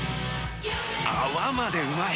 泡までうまい！